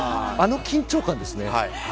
あの緊張感ですね。